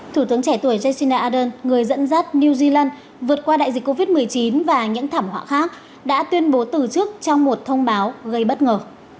thủ tướng trẻ tuổi jacinda ardern người dẫn dắt new zealand vượt qua đại dịch covid một mươi chín và những thảm họa khác đã tuyên bố từ chức trong một thông báo gây bất ngờ